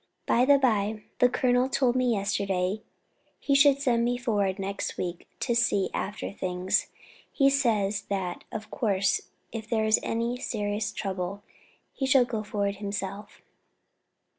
By the bye, the colonel told me yesterday he should send me forward next week to see after things. He says that of course if there is any serious trouble he shall go forward himself."